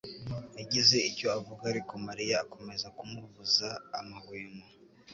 yagize icyo avuga, ariko Mariya akomeza kumubuza amahwemo.